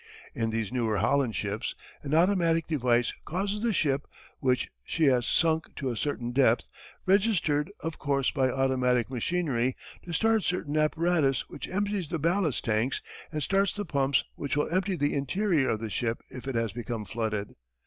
In these newer Holland ships an automatic device causes the ship, when she has sunk to a certain depth, registered of course by automatic machinery, to start certain apparatus which empties the ballast tanks and starts the pumps which will empty the interior of the ship if it has become flooded.